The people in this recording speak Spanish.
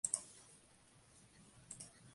Gozaba de la confianza de los nuevos gobernantes.